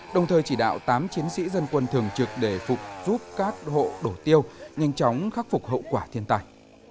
đồng thời chỉ đạo tám chiến sĩ dân quân thường trực để phục giúp các hộ đổ tiêu nhanh chóng khắc phục hậu quả thiên tai